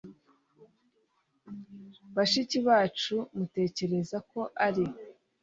Bashiki bacu mutekereza ko ari